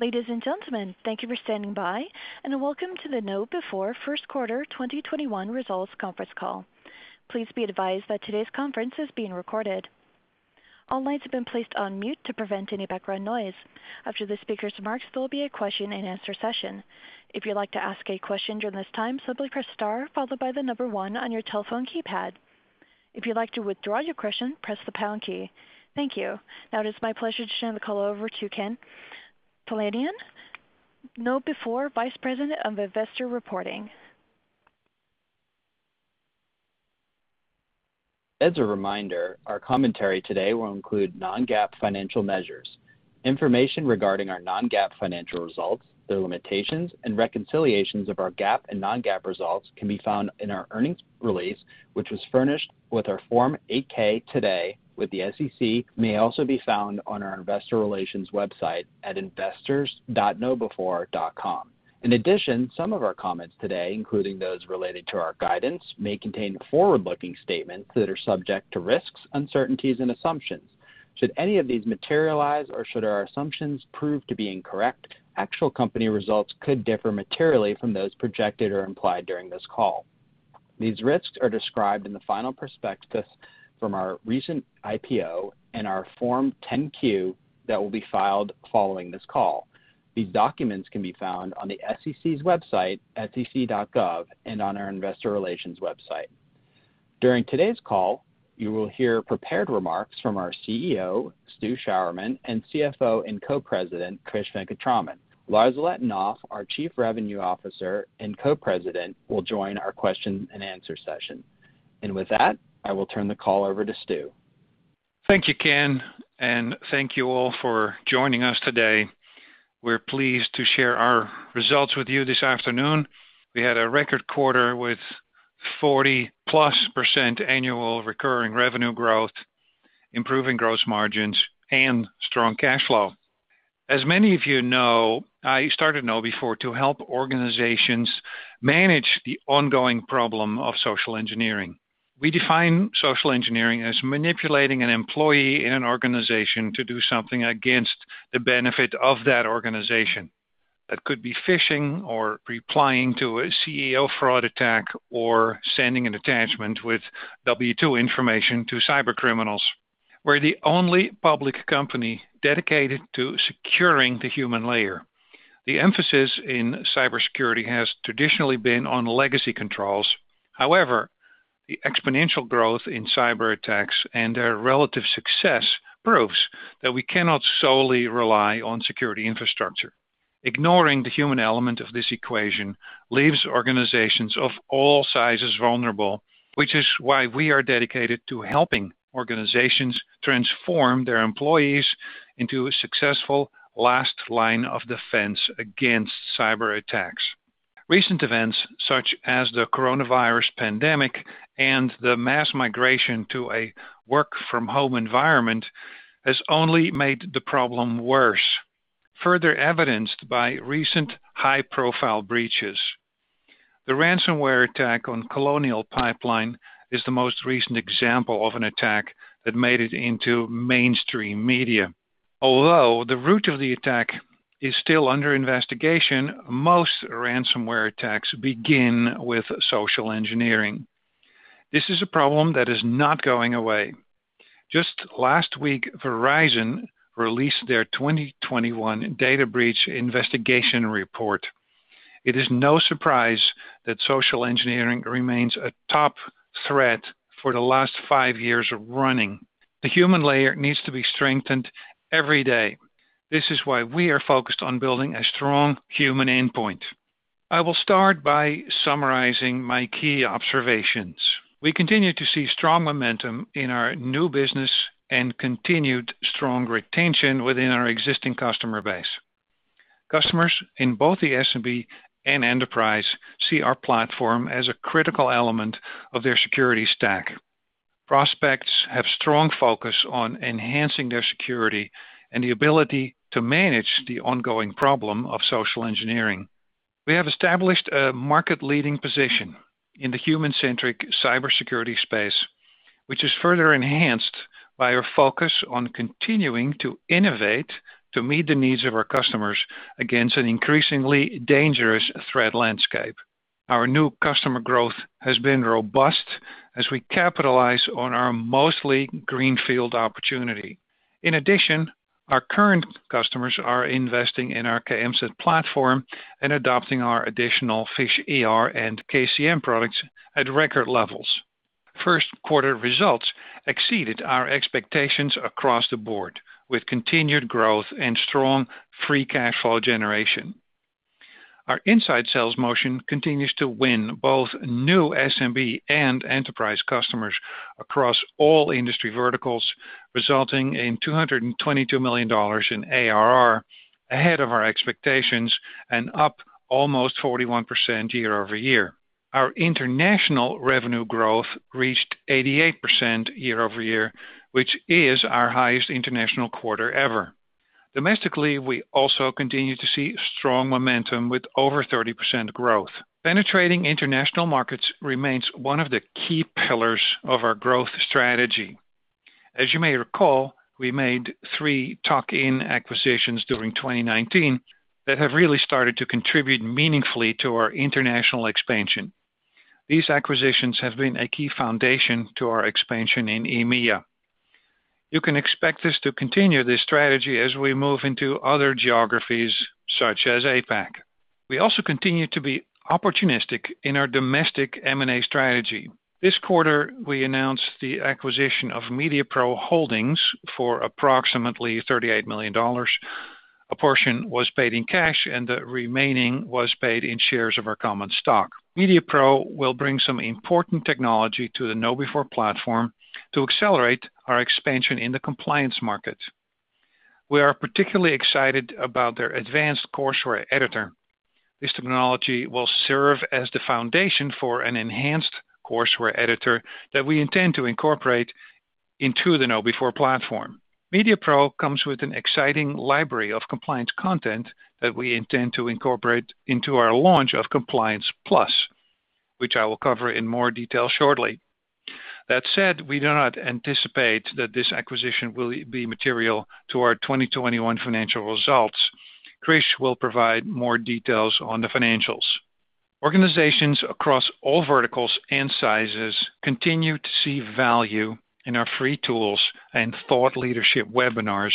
Ladies and gentlemen, thank you for standing by. Welcome to the KnowBe4 First Quarter 2021 Result Conference Call. Please be advised that today's conference is being recorded. All lines has been placed on mute to prevent any background noise, after the speakers remarks there will be a question-and-answer session. If you like to ask a question during this time, simply press star followed by the number one on your telephone keypad. If you like to withdraw your question, press the pound key, thank you. Now it is my pleasure to turn the call over to Ken Talanian, KnowBe4 Vice President of Investor Reporting. As a reminder, our commentary today will include non-GAAP financial measures. Information regarding our non-GAAP financial results, the limitations and reconciliations of our GAAP and non-GAAP results can be found in our earnings release, which was furnished with our Form 8-K today with the SEC, and may also be found on our investor relations website at investors.knowbe4.com. Some of our comments today, including those relating to our guidance, may contain forward-looking statements that are subject to risks, uncertainties, and assumptions. Should any of these materialize or should our assumptions prove to be incorrect, actual company results could differ materially from those projected or implied during this call. These risks are described in the final prospectus from our recent IPO and our Form 10-Q that will be filed following this call. These documents can be found on the SEC's website, sec.gov, and on our investor relations website. During today’s call, you will hear prepared remarks from our CEO, Stu Sjouwerman, and CFO and Co-President, Krish Venkataraman. Lars Letonoff, our Chief Revenue Officer and Co-President, will join our question-and-answer session. With that, I will turn the call over to Stu. Thank you, Ken, and thank you all for joining us today. We're pleased to share our results with you this afternoon. We had a record quarter with 40%+ annual recurring revenue growth, improving gross margins, and strong cash flow. As many of you know, I started KnowBe4 to help organizations manage the ongoing problem of social engineering. We define social engineering as manipulating an employee in an organization to do something against the benefit of that organization. That could be phishing or replying to a CEO fraud attack or sending an attachment with W-2 information to cybercriminals. We're the only public company dedicated to securing the human layer. The emphasis in cybersecurity has traditionally been on legacy controls. However, the exponential growth in cyberattacks and their relative success proves that we cannot solely rely on security infrastructure. Ignoring the human element of this equation leaves organizations of all sizes vulnerable, which is why we are dedicated to helping organizations transform their employees into a successful last line of defense against cyberattacks. Recent events, such as the coronavirus pandemic and the mass migration to a work-from-home environment, has only made the problem worse, further evidenced by recent high-profile breaches. The ransomware attack on Colonial Pipeline is the most recent example of an attack that made it into mainstream media. Although the root of the attack is still under investigation, most ransomware attacks begin with social engineering. This is a problem that is not going away. Just last week, Verizon released their 2021 Data Breach Investigations Report. It is no surprise that social engineering remains a top threat for the last five years running. The human layer needs to be strengthened every day. This is why we are focused on building a strong human endpoint. I will start by summarizing my key observations. We continue to see strong momentum in our new business and continued strong retention within our existing customer base. Customers in both the SMB and enterprise see our platform as a critical element of their security stack. Prospects have strong focus on enhancing their security and the ability to manage the ongoing problem of social engineering. We have established a market-leading position in the human-centric cybersecurity space, which is further enhanced by our focus on continuing to innovate to meet the needs of our customers against an increasingly dangerous threat landscape. Our new customer growth has been robust as we capitalize on our mostly greenfield opportunity. In addition, our current customers are investing in our KMSAT platform and adopting our additional PhishER and KCM products at record levels. First quarter results exceeded our expectations across the board with continued growth and strong free cash flow generation. Our inside sales motion continues to win both new SMB and enterprise customers across all industry verticals, resulting in $222 million in ARR, ahead of our expectations and up almost 41% year-over-year. Our international revenue growth reached 88% year-over-year, which is our highest international quarter ever. Domestically, we also continue to see strong momentum with over 30% growth. Penetrating international markets remains one of the key pillars of our growth strategy. As you may recall, we made three tuck-in acquisitions during 2019 that have really started to contribute meaningfully to our international expansion. These acquisitions have been a key foundation to our expansion in EMEA. You can expect us to continue this strategy as we move into other geographies, such as APAC. We also continue to be opportunistic in our domestic M&A strategy. This quarter, we announced the acquisition of MediaPRO Holdings for approximately $38 million. A portion was paid in cash, and the remaining was paid in shares of our common stock. MediaPRO will bring some important technology to the KnowBe4 platform to accelerate our expansion in the compliance market. We are particularly excited about their advanced courseware editor. This technology will serve as the foundation for an enhanced courseware editor that we intend to incorporate into the KnowBe4 platform. MediaPRO comes with an exciting library of compliance content that we intend to incorporate into our launch of Compliance Plus, which I will cover in more detail shortly. That said, we do not anticipate that this acquisition will be material to our 2021 financial results. Krish will provide more details on the financials. Organizations across all verticals and sizes continue to see value in our free tools and thought leadership webinars,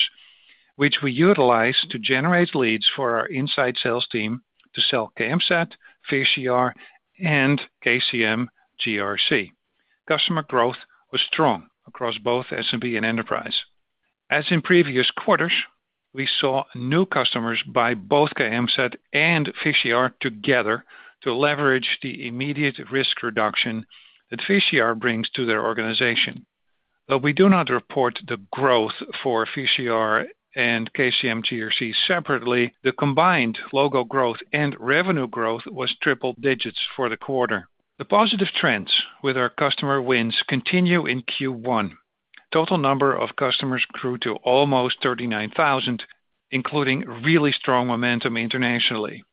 which we utilize to generate leads for our inside sales team to sell KMSAT, PhishER, and KCM GRC. Customer growth was strong across both SMB and enterprise. As in previous quarters, we saw new customers buy both KMSAT and PhishER together to leverage the immediate risk reduction that PhishER brings to their organization. We do not report the growth for PhishER and KCM GRC separately, the combined logo growth and revenue growth was triple digits for the quarter. The positive trends with our customer wins continue in Q1. Total number of customers grew to almost 39,000, including really strong momentum internationally.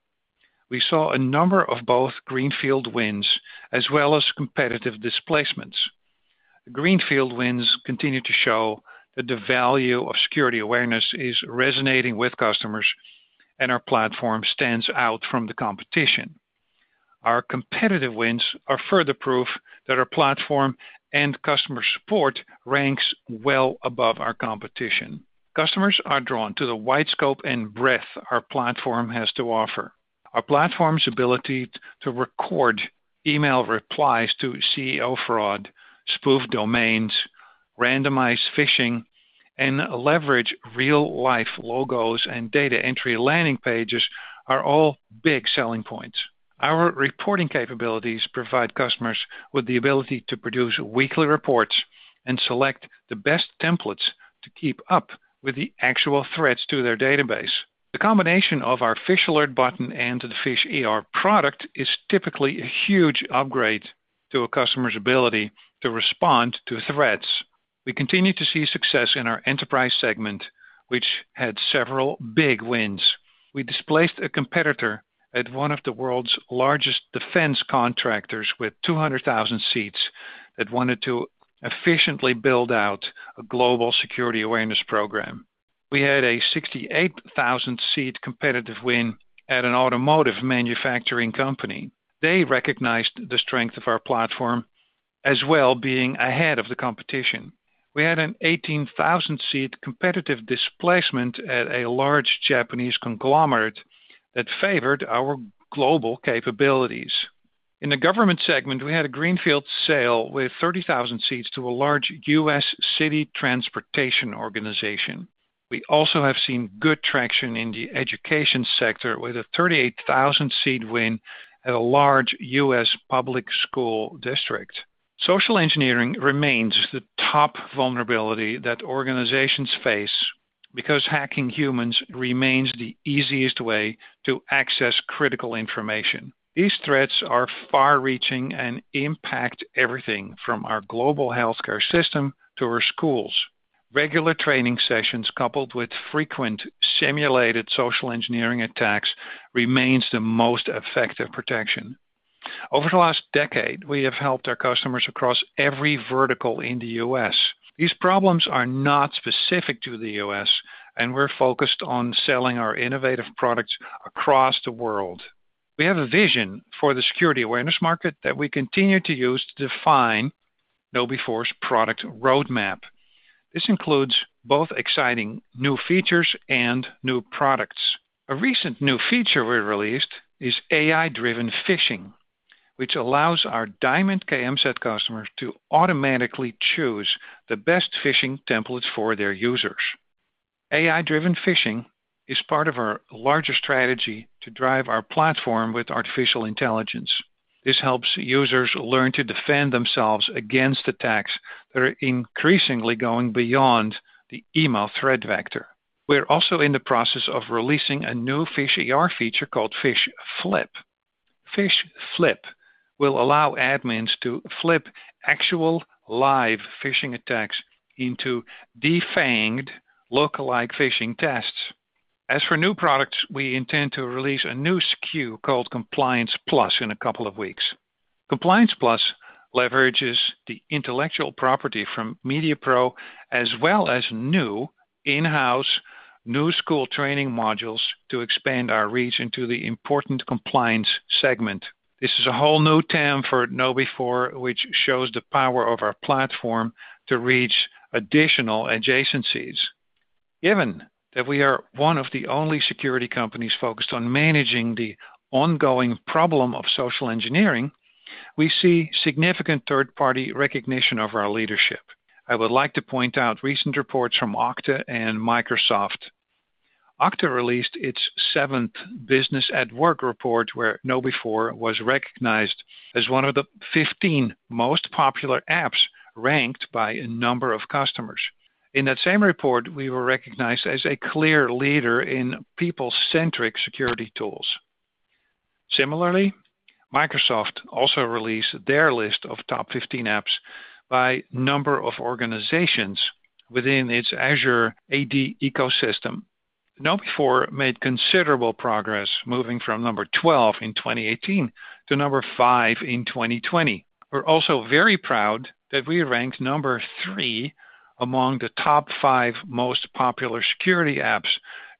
We saw a number of both greenfield wins as well as competitive displacements. Greenfield wins continue to show that the value of security awareness is resonating with customers, and our platform stands out from the competition. Our competitive wins are further proof that our platform and customer support ranks well above our competition. Customers are drawn to the wide scope and breadth our platform has to offer. Our platform's ability to record email replies to CEO fraud, spoof domains, randomized phishing, and leverage real-life logos and data entry landing pages are all big selling points. Our reporting capabilities provide customers with the ability to produce weekly reports and select the best templates to keep up with the actual threats to their database. The combination of our Phish Alert Button and the PhishER product is typically a huge upgrade to a customer's ability to respond to threats. We continue to see success in our enterprise segment, which had several big wins. We displaced a competitor at one of the world's largest defense contractors with 200,000 seats that wanted to efficiently build out a global security awareness program. We had a 68,000-seat competitive win at an automotive manufacturing company. They recognized the strength of our platform, as well being ahead of the competition. We had an 18,000-seat competitive displacement at a large Japanese conglomerate that favored our global capabilities. In the government segment, we had a greenfield sale with 30,000 seats to a large U.S. city transportation organization. We also have seen good traction in the education sector with a 38,000-seat win at a large U.S. public school district. Social engineering remains the top vulnerability that organizations face because hacking humans remains the easiest way to access critical information. These threats are far-reaching and impact everything from our global healthcare system to our schools. Regular training sessions coupled with frequent simulated social engineering attacks remains the most effective protection. Over the last decade, we have helped our customers across every vertical in the U.S. These problems are not specific to the U.S., and we're focused on selling our innovative products across the world. We have a vision for the security awareness market that we continue to use to define KnowBe4's product roadmap. This includes both exciting new features and new products. A recent new feature we released is AI-driven phishing, which allows our Diamond KMSAT customers to automatically choose the best phishing templates for their users. AI-driven phishing is part of our larger strategy to drive our platform with artificial intelligence. This helps users learn to defend themselves against attacks that are increasingly going beyond the email threat vector. We're also in the process of releasing a new PhishER feature called PhishFlip. PhishFlip will allow admins to flip actual live phishing attacks into defanged lookalike phishing tests. As for new products, we intend to release a new SKU called Compliance Plus in a couple of weeks. Compliance Plus leverages the intellectual property from MediaPRO as well as new in-house new school training modules to expand our reach into the important compliance segment. This is a whole new TAM for KnowBe4, which shows the power of our platform to reach additional adjacencies. Given that we are one of the only security companies focused on managing the ongoing problem of social engineering, we see significant third-party recognition of our leadership. I would like to point out recent reports from Okta and Microsoft. Okta released its seventh Businesses at Work report, where KnowBe4 was recognized as one of the 15 most popular apps ranked by a number of customers. In that same report, we were recognized as a clear leader in people-centric security tools. Similarly, Microsoft also released their list of top 15 apps by number of organizations within its Azure AD ecosystem. KnowBe4 made considerable progress moving from number 12 in 2018 to number five in 2020. We're also very proud that we ranked number three among the top five most popular security apps,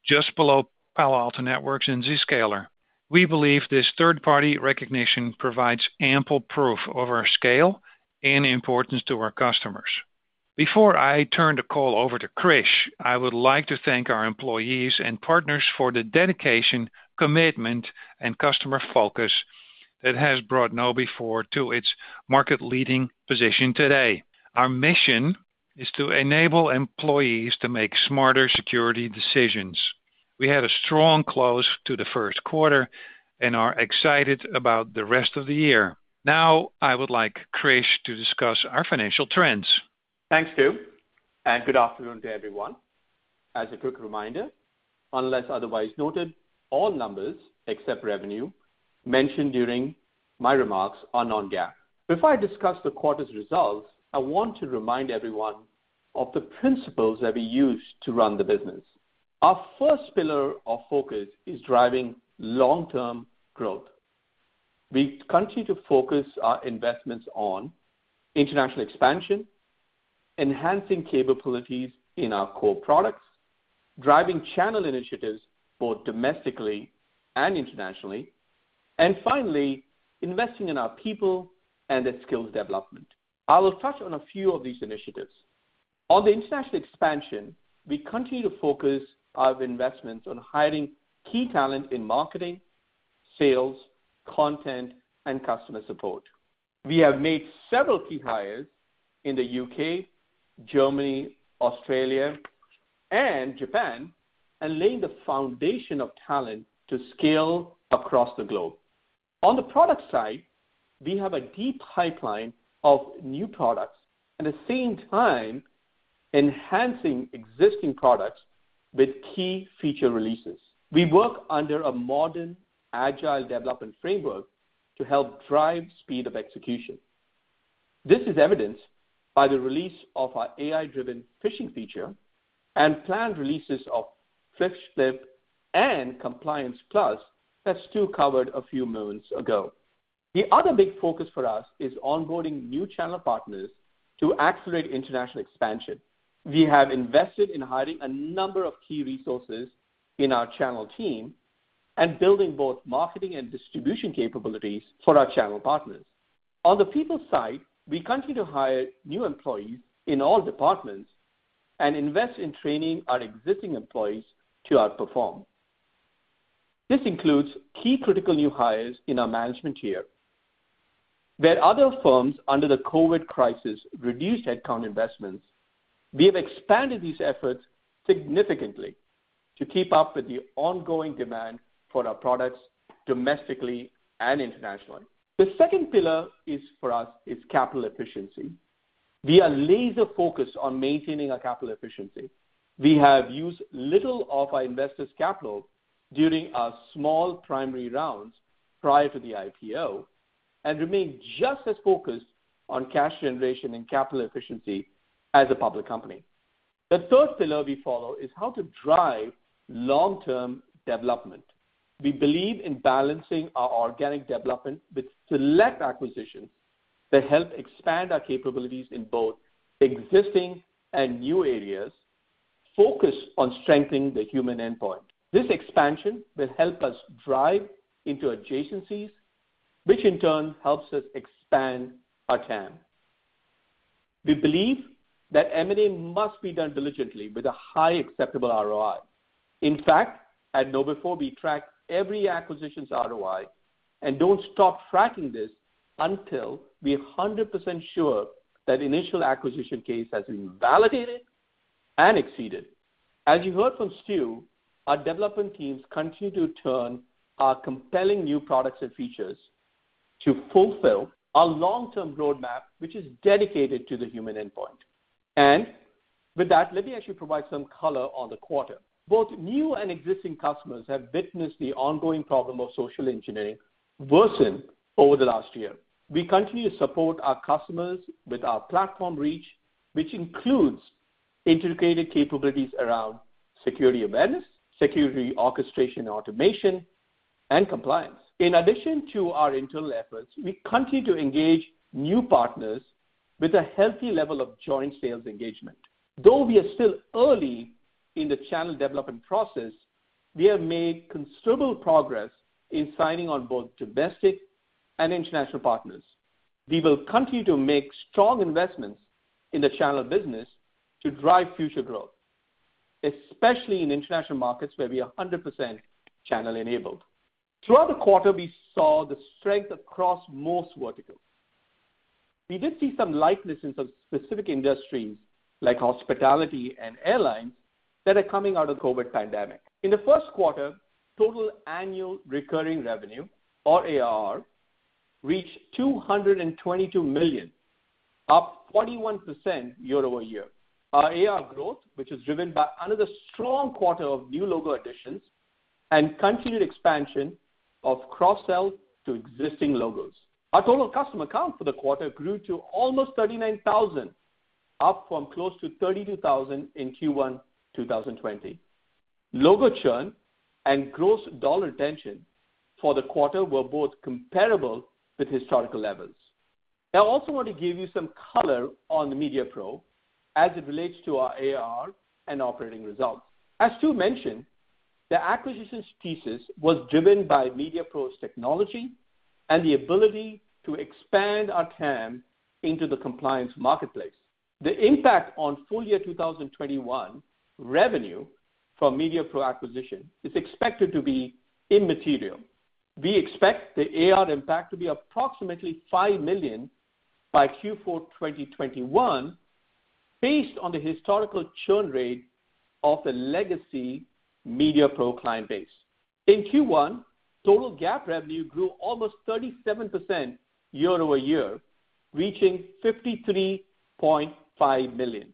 just below Palo Alto Networks and Zscaler. We believe this third-party recognition provides ample proof of our scale and importance to our customers. Before I turn the call over to Krish, I would like to thank our employees and partners for the dedication, commitment, and customer focus that has brought KnowBe4 to its market-leading position today. Our mission is to enable employees to make smarter security decisions. We had a strong close to the first quarter and are excited about the rest of the year. I would like Krish to discuss our financial trends. Thanks, Stu. Good afternoon to everyone. As a quick reminder, unless otherwise noted, all numbers, except revenue, mentioned during my remarks are non-GAAP. Before I discuss the quarter's results, I want to remind everyone of the principles that we use to run the business. Our first pillar of focus is driving long-term growth. We continue to focus our investments on international expansion, enhancing capabilities in our core products, driving channel initiatives both domestically and internationally, and finally, investing in our people and their skills development. I will touch on a few of these initiatives. On the international expansion, we continue to focus our investments on hiring key talent in marketing, sales, content, and customer support. We have made several key hires in the U.K., Germany, Australia, and Japan, and laying the foundation of talent to scale across the globe. On the product side, we have a deep pipeline of new products. At the same time, enhancing existing products with key feature releases. We work under a modern, agile development framework to help drive speed of execution. This is evidenced by the release of our AI-driven phishing feature and planned releases of PhishFlip and Compliance Plus that Stu covered a few moments ago. The other big focus for us is onboarding new channel partners to accelerate international expansion. We have invested in hiring a number of key resources in our channel team and building both marketing and distribution capabilities for our channel partners. On the people side, we continue to hire new employees in all departments and invest in training our existing employees to outperform. This includes key critical new hires in our management tier. Where other firms under the COVID crisis reduced headcount investments, we have expanded these efforts significantly to keep up with the ongoing demand for our products domestically and internationally. The second pillar for us is capital efficiency. We are laser-focused on maintaining our capital efficiency. We have used little of our investors' capital during our small primary rounds prior to the IPO and remain just as focused on cash generation and capital efficiency as a public company. The third pillar we follow is how to drive long-term development. We believe in balancing our organic development with select acquisitions that help expand our capabilities in both existing and new areas focused on strengthening the human endpoint. This expansion will help us drive into adjacencies, which in turn helps us expand our TAM. We believe that M&A must be done diligently with a high acceptable ROI. In fact, at KnowBe4, we track every acquisition's ROI and don't stop tracking this until we're 100% sure that initial acquisition case has been validated and exceeded. As you heard from Stu, our development teams continue to turn our compelling new products and features to fulfill our long-term roadmap, which is dedicated to the human endpoint. With that, let me actually provide some color on the quarter. Both new and existing customers have witnessed the ongoing problem of social engineering worsen over the last year. We continue to support our customers with our platform reach, which includes integrated capabilities around security events, security orchestration automation, and compliance. In addition to our internal efforts, we continue to engage new partners with a healthy level of joint sales engagement. Though we are still early in the channel development process, we have made considerable progress in signing on both domestic and international partners. We will continue to make strong investments in the channel business to drive future growth, especially in international markets where we are 100% channel-enabled. Throughout the quarter, we saw the strength across most verticals. We did see some lightness in some specific industries, like hospitality and airlines, that are coming out of COVID pandemic. In the first quarter, total annual recurring revenue, or ARR, reached $222 million, up 41% year-over-year. Our ARR growth, which is driven by another strong quarter of new logo additions and continued expansion of cross-sell to existing logos. Our total customer count for the quarter grew to almost 39,000, up from close to 32,000 in Q1 2020. Logo churn and gross dollar retention for the quarter were both comparable with historical levels. I also want to give you some color on MediaPRO as it relates to our ARR and operating results. As Stu mentioned, the acquisitions thesis was driven by MediaPRO's technology and the ability to expand our TAM into the compliance marketplace. The impact on full year 2021 revenue from MediaPRO acquisition is expected to be immaterial. We expect the ARR impact to be approximately $5 million by Q4 2021, based on the historical churn rate of the legacy MediaPRO client base. In Q1, total GAAP revenue grew almost 37% year-over-year, reaching $53.5 million,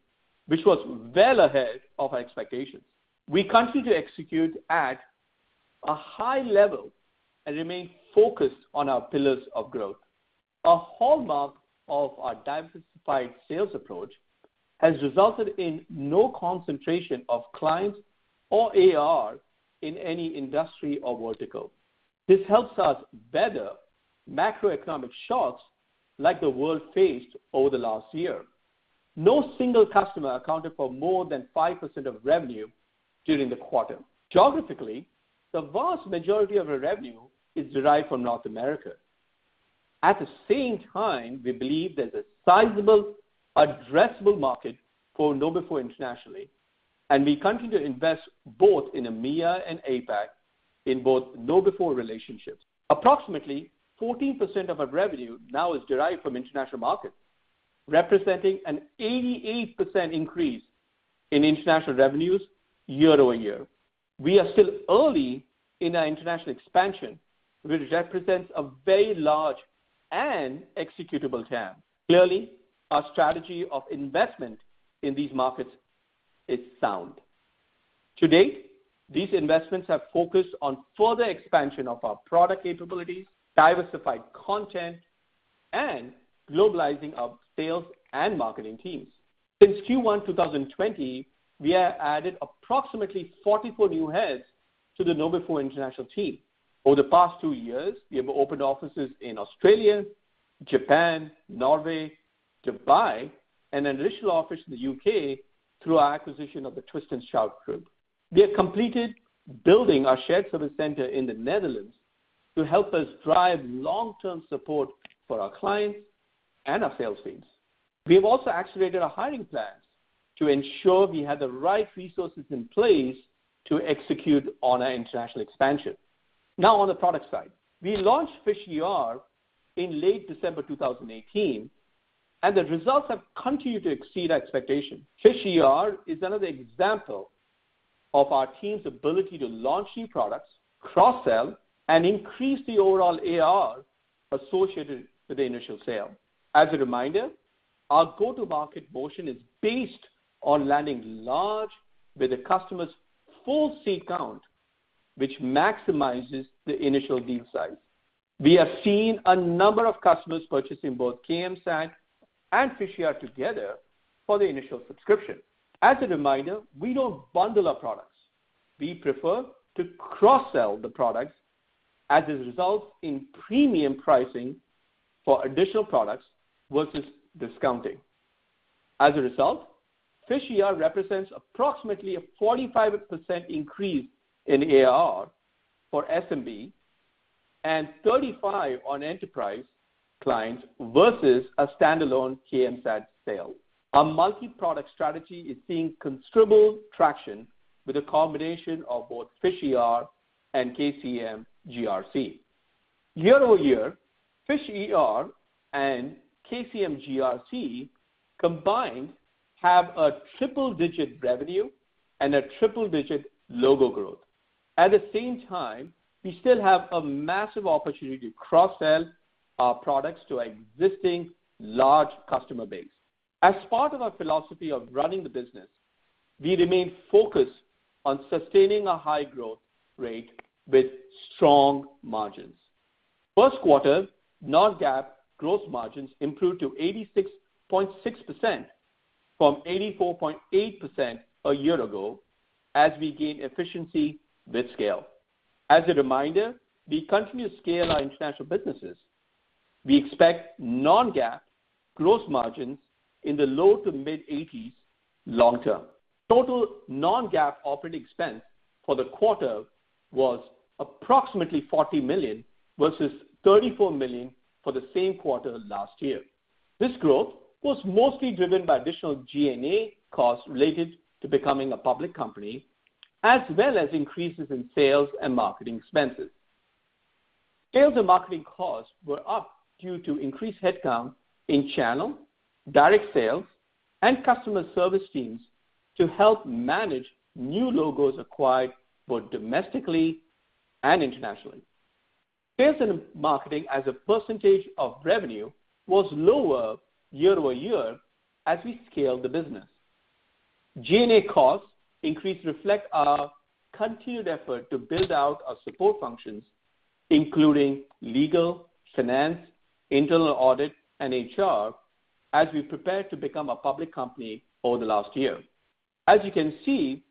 which was well ahead of expectations. We continue to execute at a high level and remain focused on our pillars of growth. A hallmark of our diversified sales approach has resulted in no concentration of clients or ARR in any industry or vertical. This helps us weather macroeconomic shocks like the world faced over the last year. No single customer accounted for more than 5% of revenue during the quarter. Geographically, the vast majority of our revenue is derived from North America. At the same time, we believe there's a sizable addressable market for KnowBe4 internationally, and we continue to invest both in EMEA and APAC in both KnowBe4 relationships. Approximately 14% of our revenue now is derived from international markets, representing an 88% increase in international revenues year-over-year. We are still early in our international expansion, which represents a very large and executable TAM. Clearly, our strategy of investment in these markets is sound. To date, these investments have focused on further expansion of our product capabilities, diversified content, and globalizing our sales and marketing teams. Since Q1 2020, we have added approximately 44 new heads to the KnowBe4 International team. Over the past two years, we have opened offices in Australia, Japan, Norway, Dubai, and an initial office in the U.K. through our acquisition of the Twist and Shout Group. We have completed building our shared service center in the Netherlands to help us drive long-term support for our clients and our sales teams. We've also accelerated our hiring plans to ensure we have the right resources in place to execute on our international expansion. On the product side. We launched PhishER in late December 2018. The results have continued to exceed expectations. PhishER is another example of our team's ability to launch new products, cross-sell, and increase the overall ARR associated with the initial sale. As a reminder, our go-to-market motion is based on landing large with the customer's full seat count, which maximizes the initial deal size. We have seen a number of customers purchasing both KMSAT and PhishER together for the initial subscription. As a reminder, we don't bundle our products. We prefer to cross-sell the products as it results in premium pricing for additional products versus discounting. As a result, PhishER represents approximately a 45% increase in ARR for SMB and 35% on enterprise clients versus a standalone KMSAT sale. Our multi-product strategy is seeing considerable traction with a combination of both PhishER and KCM GRC. Year-over-year, PhishER and KCM GRC combined have a triple-digit revenue and a triple-digit logo growth. At the same time, we still have a massive opportunity to cross-sell our products to our existing large customer base. As part of our philosophy of running the business, we remain focused on sustaining a high growth rate with strong margins. First quarter non-GAAP gross margins improved to 86.6% from 84.8% a year ago as we gain efficiency with scale. As a reminder, we continue to scale our international businesses. We expect non-GAAP gross margins in the low to mid-80% long term. Total non-GAAP operating expense for the quarter was approximately $40 million versus $34 million for the same quarter last year. This growth was mostly driven by additional G&A costs related to becoming a public company, as well as increases in sales and marketing expenses. Sales and marketing costs were up due to increased headcount in channel, direct sales, and customer service teams to help manage new logos acquired both domestically and internationally. Sales and marketing as a percentage of revenue was lower year-over-year as we scale the business. G&A costs increase reflect our continued effort to build out our support functions, including legal, finance, internal audit, and HR, as we prepare to become a public company over the last year. As you can see,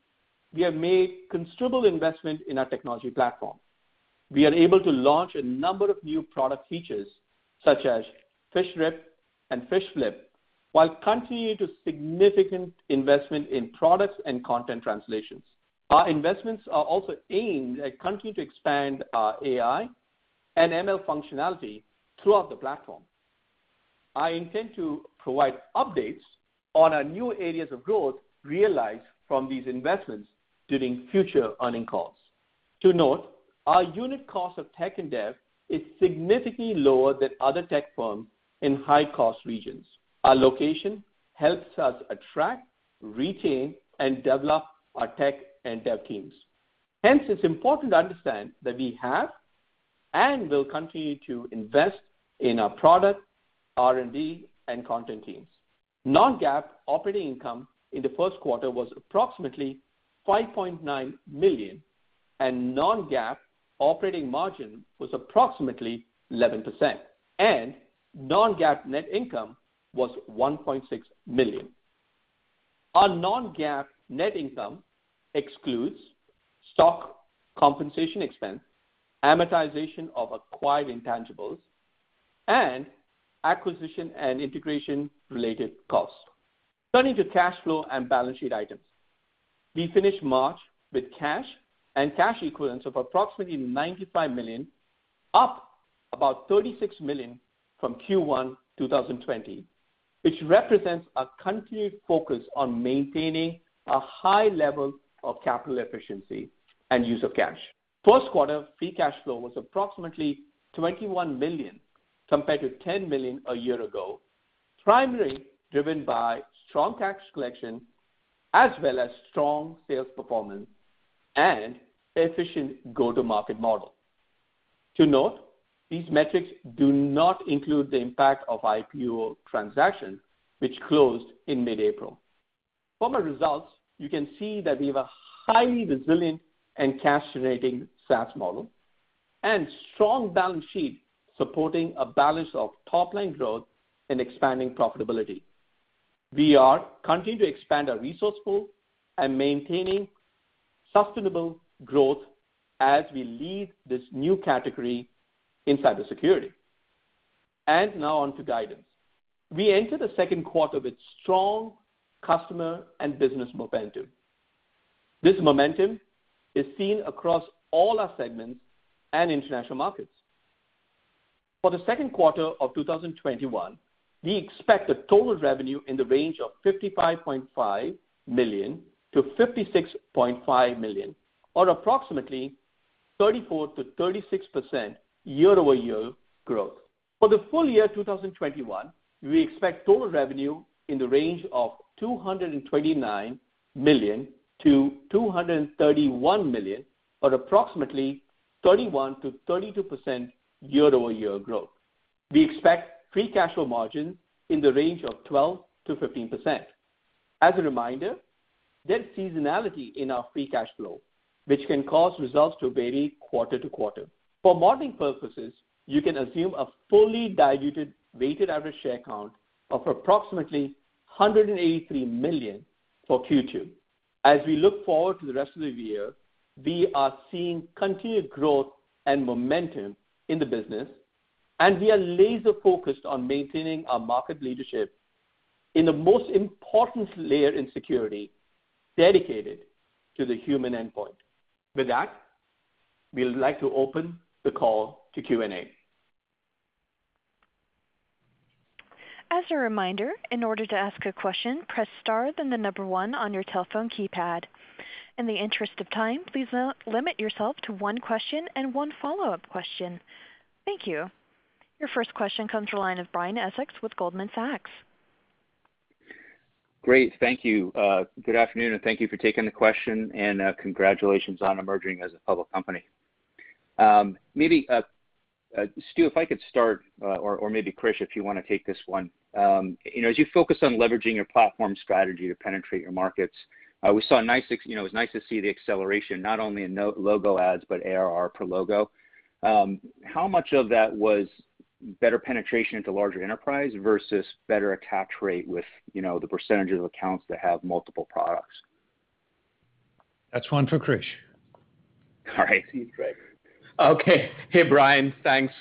we have made considerable investment in our technology platform. We are able to launch a number of new product features such as PhishRIP and PhishFlip, while continuing to significant investment in products and content translations. Our investments are also aimed at continuing to expand our AI and ML functionality throughout the platform. I intend to provide updates on our new areas of growth realized from these investments during future earnings calls. To note, our unit cost of tech and dev is significantly lower than other tech firms in high-cost regions. Our location helps us attract, retain, and develop our tech and dev teams. Hence, it's important to understand that we have and will continue to invest in our product, R&D, and content teams. Non-GAAP operating income in the first quarter was approximately $5.9 million, and non-GAAP operating margin was approximately 11%, and non-GAAP net income was $1.6 million. Our non-GAAP net income excludes stock compensation expense, amortization of acquired intangibles, and acquisition and integration related costs. Turning to cash flow and balance sheet items. We finished March with cash and cash equivalents of approximately $95 million, up about $36 million from Q1 2020, which represents our continued focus on maintaining a high level of capital efficiency and use of cash. First quarter free cash flow was approximately $21 million compared to $10 million a year ago, primarily driven by strong cash collection as well as strong sales performance and efficient go-to-market model. To note, these metrics do not include the impact of IPO transaction, which closed in mid-April. From our results, you can see that we have a highly resilient and cash generating SaaS model and strong balance sheet supporting a balance of top-line growth and expanding profitability. We are continuing to expand our resource pool and maintaining sustainable growth as we lead this new category in cybersecurity. Now on to guidance. We enter the second quarter with strong customer and business momentum. This momentum is seen across all our segments and international markets. For the second quarter of 2021, we expect the total revenue in the range of $55.5 million-$56.5 million, or approximately 34%-36% year-over-year growth. For the full year 2021, we expect total revenue in the range of $229 million-$231 million, or approximately 31%-32% year-over-year growth. We expect free cash flow margin in the range of 12%-15%. As a reminder, there's seasonality in our free cash flow, which can cause results to vary quarter-to-quarter. For modeling purposes, you can assume a fully diluted weighted average share count of approximately 183 million for Q2. As we look forward to the rest of the year, we are seeing continued growth and momentum in the business. We are laser focused on maintaining our market leadership in the most important layer in security dedicated to the human endpoint. With that, we would like to open the call to Q&A. In the interest of time, please limit yourself to one question and one follow-up question. Thank you. Your first question comes from the line of Brian Essex with Goldman Sachs. Great. Thank you. Good afternoon, and thank you for taking the question and congratulations on emerging as a public company. Stu, if I could start, or maybe Krish, if you want to take this one. As you focus on leveraging your platform strategy to penetrate your markets, it was nice to see the acceleration, not only in logo adds, but ARR per logo. How much of that was? Better penetration into larger enterprise versus better attach rate with the percentage of accounts that have multiple products. That's one for Krish. All right. Okay. Hey, Brian. Thanks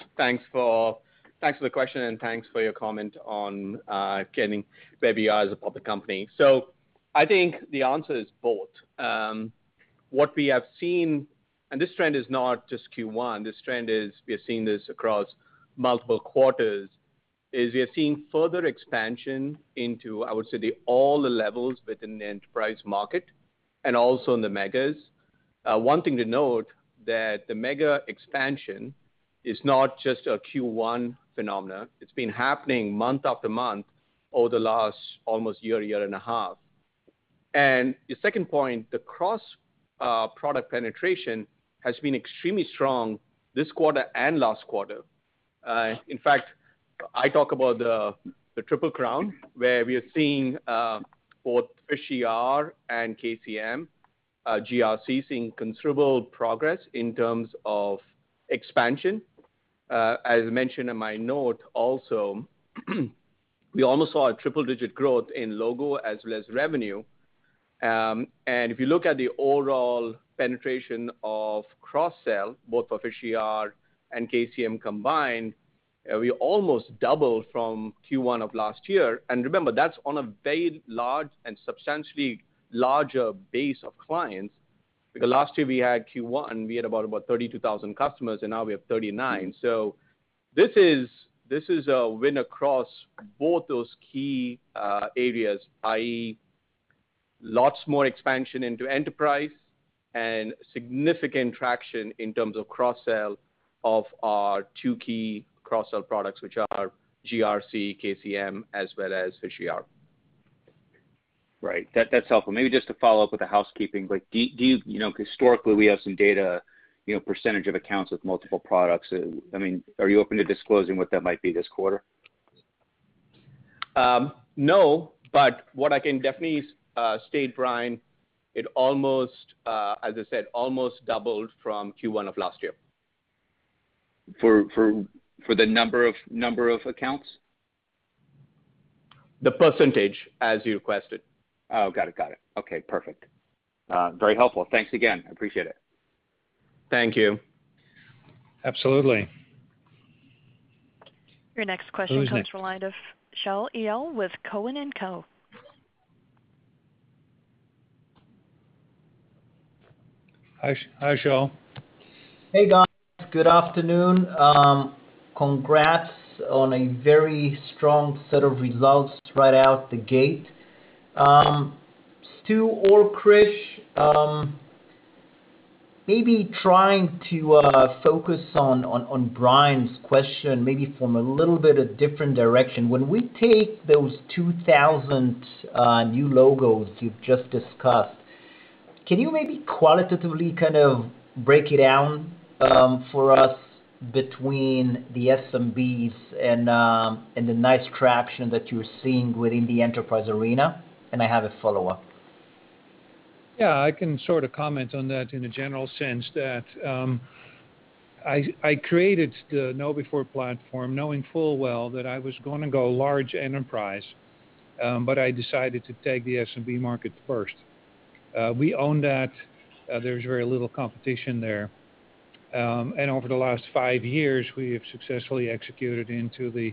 for the question, and thanks for your comment on getting baby eyes above the company. I think the answer is both. What we have seen, and this trend is not just Q1, we are seeing this across multiple quarters, is we are seeing further expansion into, I would say, all the levels within the enterprise market and also in the megas. One thing to note that the mega expansion is not just a Q1 phenomenon. It's been happening month after month over the last almost year and a half. The second point, the cross-product penetration has been extremely strong this quarter and last quarter. In fact, I talk about the triple crown, where we are seeing both PhishER and KCM GRC seeing considerable progress in terms of expansion. As mentioned in my note also, we almost saw a triple-digit growth in logo as well as revenue. If you look at the overall penetration of cross-sell, both of PhishER and KCM combined, we almost doubled from Q1 of last year. Remember, that's on a very large and substantially larger base of clients, because last year we had Q1, we had about 32,000 customers, and now we have 39. This is a win across both those key areas, i.e., lots more expansion into enterprise and significant traction in terms of cross-sell of our two key cross-sell products, which are GRC, KCM, as well as PhishER. Right. That's helpful. Maybe just to follow up with the housekeeping, but historically, we have some data, percentage of accounts with multiple products. Are you open to disclosing what that might be this quarter? No, what I can definitely state, Brian, it, as I said, almost doubled from Q1 of last year. For the number of accounts? The percentage, as you requested. Oh, got it. Okay, perfect. Very helpful. Thanks again. Appreciate it. Thank you. Absolutely. Your next question comes from the line of Shaul Eyal with Cowen and Co. Hi, Shaul. Hey, guys. Good afternoon. Congrats on a very strong set of results right out the gate. Stu or Krish, maybe trying to focus on Brian's question, maybe from a little bit of different direction. When we take those 2,000 new logos you've just discussed, can you maybe qualitatively kind of break it down for us between the SMBs and the nice traction that you're seeing within the enterprise arena? I have a follow-up. Yeah, I can sort of comment on that in a general sense that I created the KnowBe4 platform knowing full well that I was gonna go large enterprise, but I decided to take the SMB market first. We own that. There's very little competition there. Over the last five years, we have successfully executed into the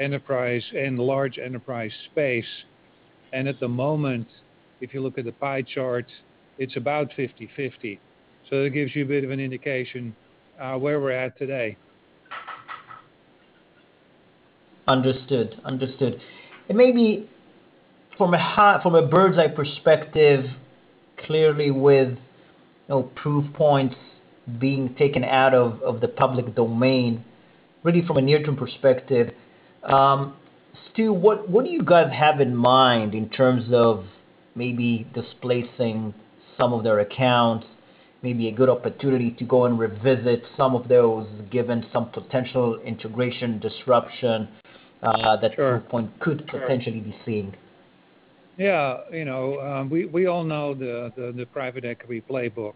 enterprise and large enterprise space. At the moment, if you look at the pie chart, it's about 50/50. That gives you a bit of an indication where we're at today. Understood. Maybe from a bird's eye perspective, clearly with Proofpoint being taken out of the public domain, really from a near-term perspective, Stu, what do you guys have in mind in terms of maybe displacing some of their accounts, maybe a good opportunity to go and revisit some of those, given some potential integration disruption that Proofpoint could potentially be seeing? Yeah. We all know the private equity playbook.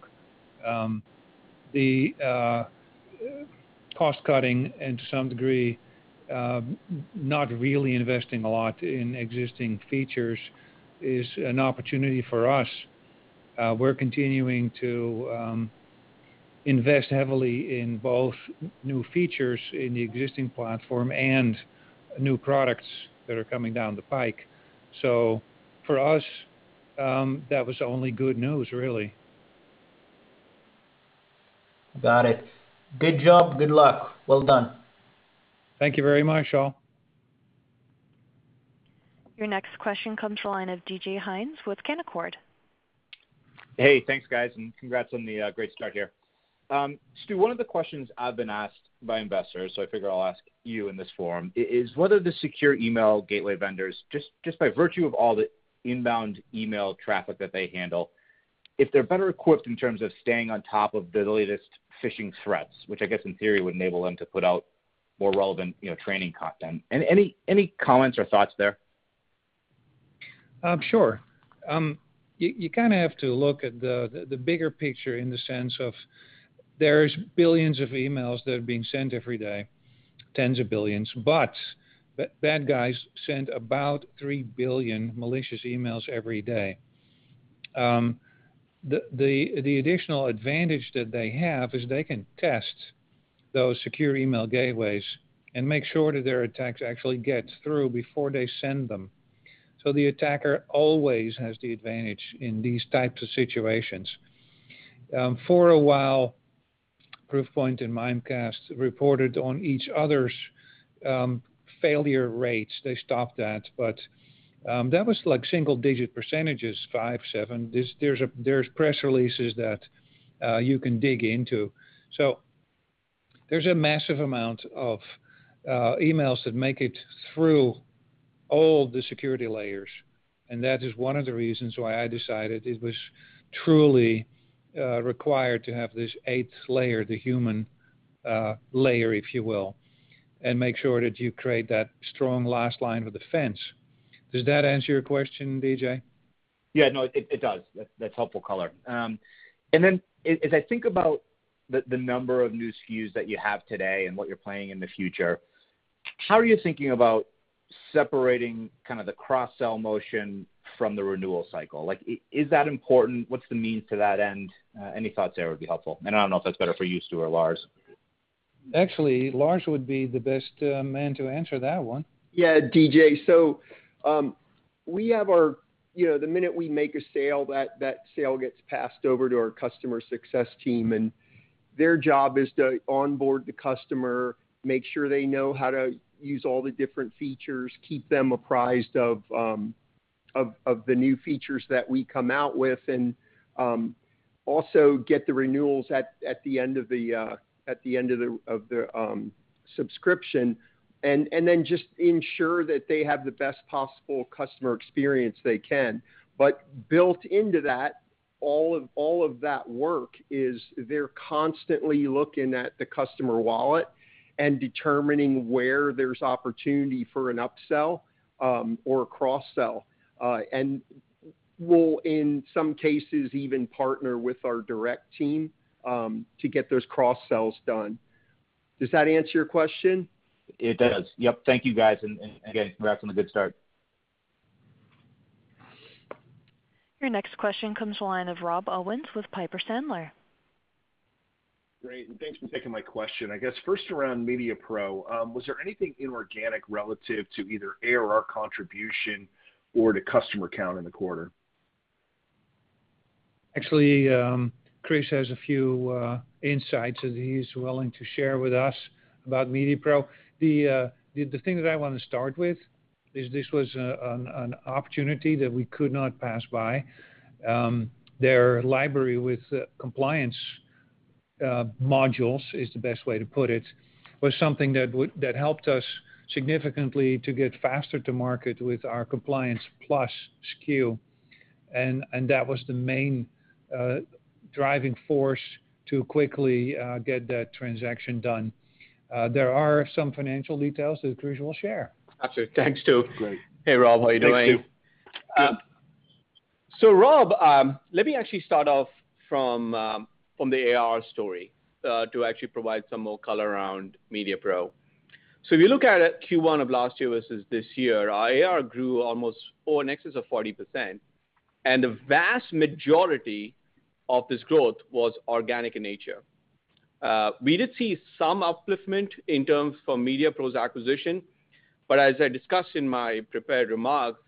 The cost-cutting, and to some degree, not really investing a lot in existing features is an opportunity for us. We're continuing to invest heavily in both new features in the existing platform and new products that are coming down the pike. For us, that was only good news, really. Got it. Good job. Good luck. Well done. Thank you very much, Shaul. Your next question comes from the line of DJ Hynes with Canaccord. Hey, thanks, guys, and congrats on the great start here. Stu, one of the questions I've been asked by investors, so I figure I'll ask you in this forum, is whether the secure email gateway vendors, just by virtue of all the inbound email traffic that they handle, if they're better equipped in terms of staying on top of the latest phishing threats, which I guess in theory would enable them to put out more relevant training content. Any comments or thoughts there? Sure. You have to look at the bigger picture in the sense of there's billions of emails that are being sent every day, tens of billions. Bad guys send about 3 billion malicious emails every day. The additional advantage that they have is they can test those secure email gateways and make sure that their attack actually gets through before they send them. The attacker always has the advantage in these types of situations. For a while, Proofpoint and Mimecast reported on each other's failure rates. They stopped that, but that was single-digit percentages, 5%, 7%. There's press releases that you can dig into. There's a massive amount of emails that make it through all the security layers, and that is one of the reasons why I decided it was truly required to have this eighth layer, the human layer, if you will, and make sure that you create that strong last line of defense. Does that answer your question, DJ? Yeah, no, it does. That's helpful color. Then if I think about the number of new SKUs that you have today and what you're planning in the future, how are you thinking about separating the cross-sell motion from the renewal cycle? Is that important? What's the need to that end? Any thoughts there would be helpful. I don't know if that's better for Stu or Lars. Actually, Lars would be the best man to answer that one. Yeah, Vijay. The minute we make a sale, that sale gets passed over to our customer success team, and their job is to onboard the customer, make sure they know how to use all the different features, keep them apprised of the new features that we come out with, and also get the renewals at the end of the subscription, and then just ensure that they have the best possible customer experience they can. Built into that, all of that work is they're constantly looking at the customer wallet and determining where there's opportunity for an up-sell or a cross-sell, and we'll, in some cases, even partner with our direct team to get those cross-sells done. Does that answer your question? It does. Yep. Thank you, guys. Again, we're off to a good start. Your next question comes to the line of Rob Owens with Piper Sandler. Great, thanks for taking my question. I guess first around MediaPRO, was there anything inorganic relative to either ARR contribution or to customer count in the quarter? Actually, Krish has a few insights that he's willing to share with us about MediaPRO. The thing that I want to start with is this was an opportunity that we could not pass by. Their library with compliance modules, is the best way to put it, was something that helped us significantly to get faster to market with our Compliance Plus SKU. That was the main driving force to quickly get that transaction done. There are some financial details that Krish will share. Absolutely. Thanks, Stu. Great. Hey, Rob. How you doing? Thanks. Rob, let me actually start off from the ARR story to actually provide some more color around MediaPRO. If you look at Q1 of last year versus this year, our ARR grew almost in excess of 40%, and the vast majority of this growth was organic in nature. We did see some upliftment in terms of MediaPRO's acquisition, as I discussed in my prepared remarks,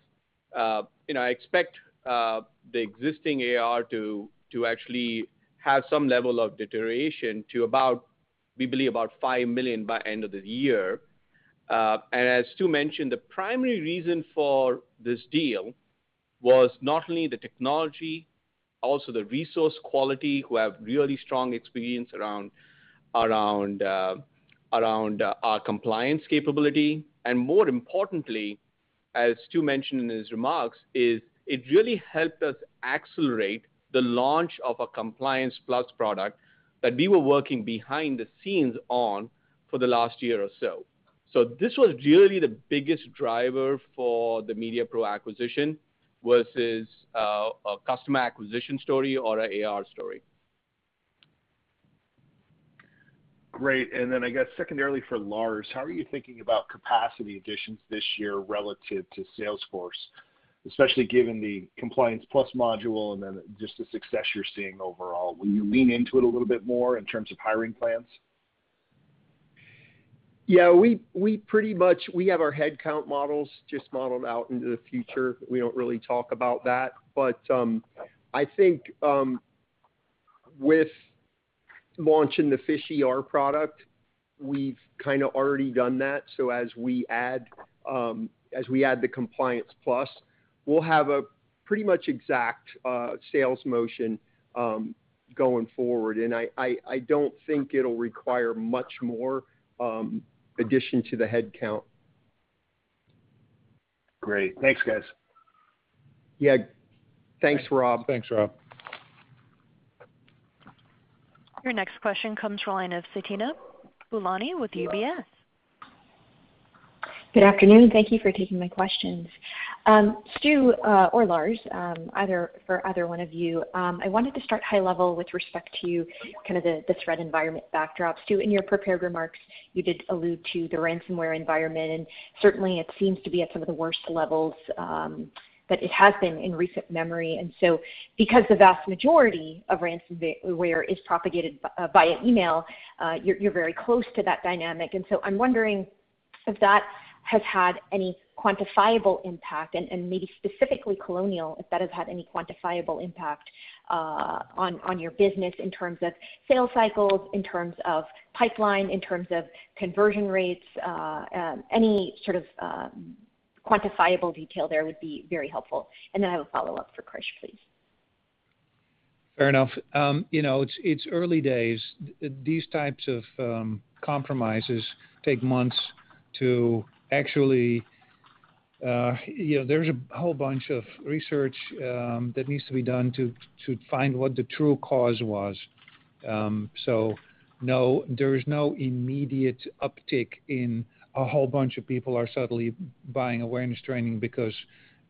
I expect the existing ARR to actually have some level of deterioration to, we believe, about $5 million by end of the year. As Stu mentioned, the primary reason for this deal was not only the technology, also the resource quality, who have really strong experience around our compliance capability. More importantly, as Stu mentioned in his remarks, is it really helped us accelerate the launch of a Compliance Plus product that we were working behind the scenes on for the last year or so. This was really the biggest driver for the MediaPRO acquisition versus a customer acquisition story or an ARR story. Great. I guess secondarily for Lars, how are you thinking about capacity additions this year relative to sales force, especially given the Compliance Plus module and then just the success you're seeing overall? Will you lean into it a little bit more in terms of hiring plans? Yeah, we have our headcount models just modeled out into the future. We don't really talk about that. I think with launching the PhishER product, we've kind of already done that. As we add the Compliance Plus, we'll have a pretty much exact sales motion going forward, and I don't think it'll require much more addition to the headcount. Great. Thanks, guys. Yeah. Thanks, Rob. Thanks, Rob. Your next question comes from the line of Fatima Boolani with UBS. Good afternoon. Thank you for taking my questions. Stu or Lars, for either one of you, I wanted to start high level with respect to the threat environment backdrop. Stu, in your prepared remarks, you did allude to the ransomware environment, and certainly it seems to be at some of the worst levels that it has been in recent memory. Because the vast majority of ransomware is propagated via email, you're very close to that dynamic. I'm wondering if that has had any quantifiable impact and maybe specifically Colonial, if that has had any quantifiable impact on your business in terms of sales cycles, in terms of pipeline, in terms of conversion rates, any sort of quantifiable detail there would be very helpful. Then I have a follow-up for Krish, please. Fair enough. It's early days. These types of compromises take months. There's a whole bunch of research that needs to be done to find what the true cause was. No, there is no immediate uptick in a whole bunch of people are suddenly buying awareness training because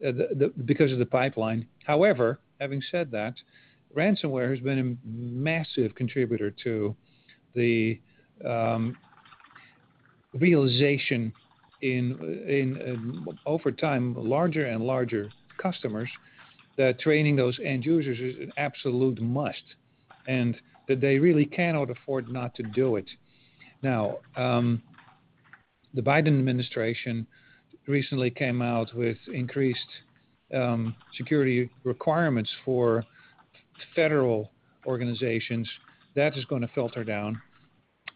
of the pipeline. However, having said that, ransomware has been a massive contributor to the realization over time, larger and larger customers, that training those end users is an absolute must, and that they really cannot afford not to do it. Now, the Biden administration recently came out with increased security requirements for federal organizations. That is going to filter down.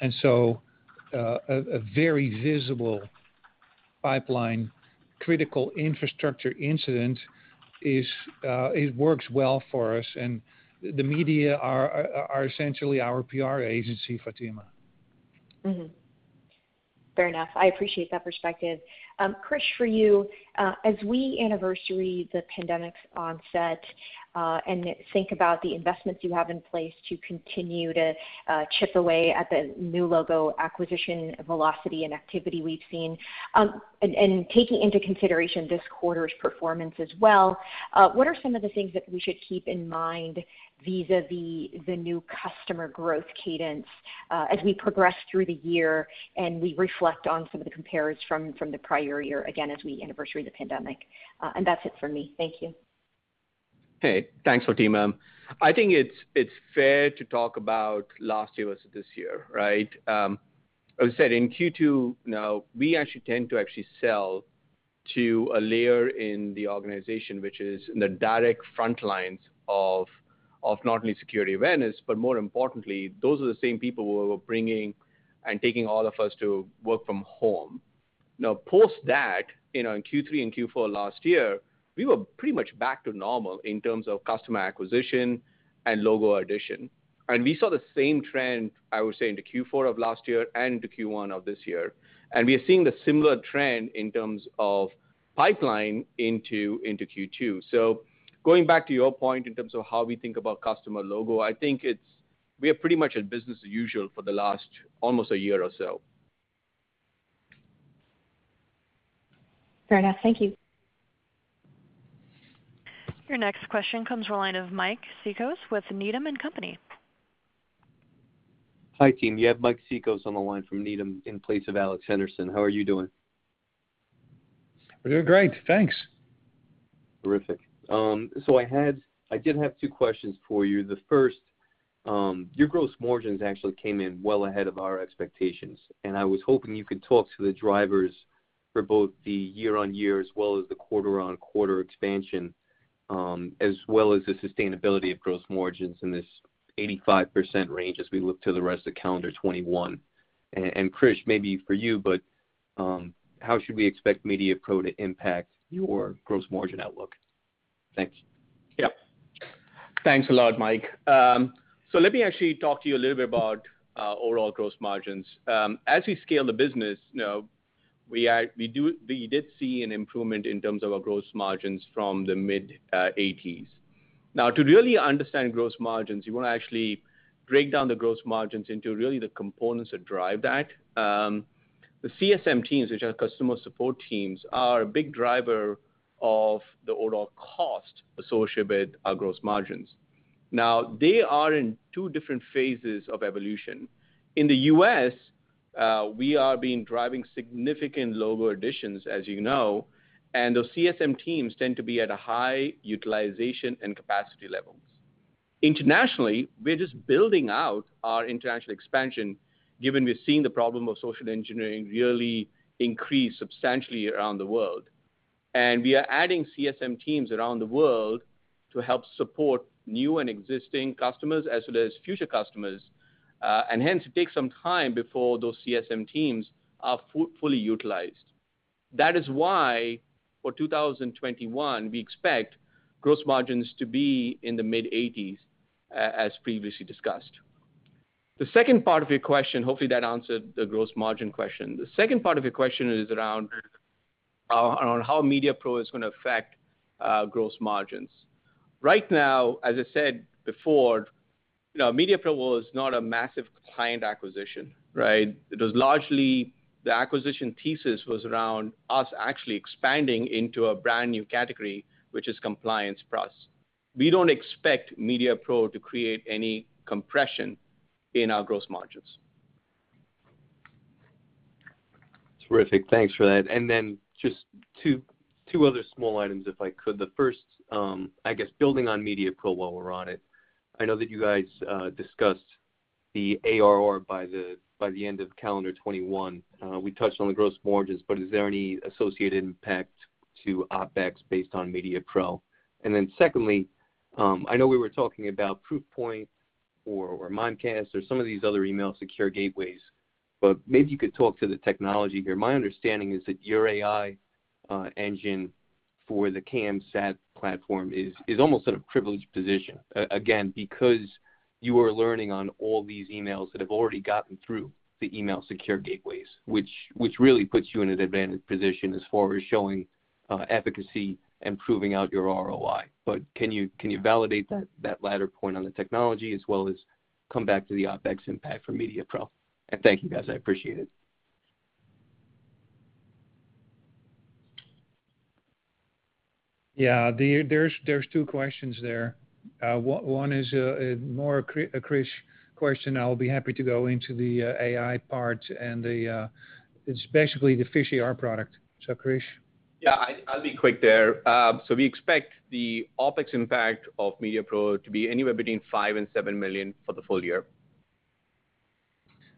A very visible pipeline critical infrastructure incident, it works well for us, and the media are essentially our PR agency, Fatima. Fair enough. I appreciate that perspective. Krish, for you, as we anniversary the pandemic's onset and think about the investments you have in place to continue to chip away at the new logo acquisition velocity and activity we've seen, and taking into consideration this quarter's performance as well, what are some of the things that we should keep in mind vis-a-vis the new customer growth cadence as we progress through the year and we reflect on some of the compares from the prior year, again, as we anniversary the pandemic? That's it from me. Thank you. Okay. Thanks, Fatima. I think it's fair to talk about last year versus this year, right? As I said, in Q2 now, we actually tend to actually sell to a layer in the organization, which is in the direct front lines of not only security awareness, but more importantly, those are the same people who are bringing and taking all of us to work from home. Now, post that, in Q3 and Q4 last year, we were pretty much back to normal in terms of customer acquisition and logo addition. These are the same trends I would say in the Q4 of last year and the Q1 of this year. We're seeing a similar trend in terms of pipeline into Q2. Going back to your point in terms of how we think about customer logo, I think we are pretty much in business as usual for the last almost a year or so. Fair enough. Thank you. Your next question comes from the line of Mike Cikos with Needham & Company. Hi, team. You have Mike Cikos on the line from Needham in place of Alex Henderson. How are you doing? We're doing great, thanks. Terrific. I did have two questions for you. The first, your gross margins actually came in well ahead of our expectations, and I was hoping you could talk to the drivers for both the year-on-year as well as the quarter-on-quarter expansion, as well as the sustainability of gross margins in this 85% range as we look to the rest of calendar 2021. Krish, maybe for you, how should we expect MediaPRO to impact your gross margin outlook? Thank you. Yep. Thanks a lot, Mike. Let me actually talk to you a little bit about overall gross margins. As we scale the business now, we did see an improvement in terms of our gross margins from the mid-80s. To really understand gross margins, you want to actually break down the gross margins into really the components that drive that. The CSM teams, which are customer support teams, are a big driver of the overall cost associated with our gross margins. They are in two different phases of evolution. In the U.S., we have been driving significant logo additions, as you know, and the CSM teams tend to be at a high utilization and capacity levels. Internationally, we're just building out our international expansion, given we've seen the problem of social engineering really increase substantially around the world. We are adding CSM teams around the world to help support new and existing customers, as well as future customers. Hence, it takes some time before those CSM teams are fully utilized. That is why for 2021, we expect gross margins to be in the mid-80s, as previously discussed. The second part of your question, hopefully that answered the gross margin question. The second part of your question is around how MediaPRO is going to affect gross margins. Right now, as I said before, MediaPRO was not a massive client acquisition, right? It was largely the acquisition thesis was around us actually expanding into a brand new category, which is Compliance Plus. We don't expect MediaPRO to create any compression in our gross margins. Terrific. Thanks for that. Just two other small items, if I could. The first, I guess building on MediaPRO while we're on it, I know that you guys discussed the ARR by the end of calendar 2021. We touched on gross margins, is there any associated impact to OpEx based on MediaPRO? Secondly, I know we were talking about Proofpoint or Mimecast or some of these other email secure gateways, maybe you could talk to the technology there. My understanding is that your AI engine for the KMSAT platform is almost at a privileged position, again, because you are learning on all these emails that have already gotten through the email secure gateways, which really puts you in an advantaged position as far as showing efficacy and proving out your ROI. Can you validate that latter point on the technology as well as come back to the OpEx impact for MediaPRO? Thank you, guys. I appreciate it. Yeah, there's two questions there. One is more a Krish question. I'll be happy to go into the AI part and it's basically the PhishER product. Krish? Yeah, I'll be quick there. We expect the OpEx impact of MediaPRO to be anywhere between $5 million and $7 million for the full year.